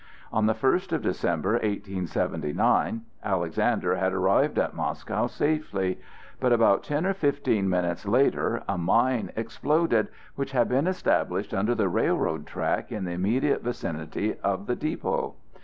On the first of December, 1879, Alexander had arrived at Moscow safely; but about ten or fifteen minutes later a mine exploded, which had been established under the railroad track in the immediate vicinity of the depot.